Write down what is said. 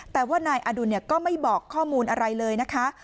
แต่ว่านายอดุลก็ไม่บอกข้อมูลอะไรเลยนะคะ